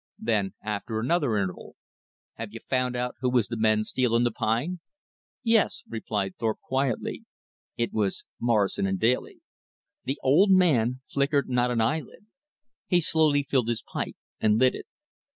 Then after another interval: "Have you found out who was the men stealin' the pine?" "Yes," replied Thorpe quietly, "it was Morrison & Daly." The old man flickered not an eyelid. He slowly filled his pipe and lit it.